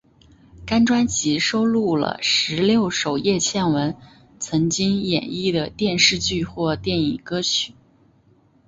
该专辑收录了十六首叶蒨文曾经演绎的电视剧或电影歌曲。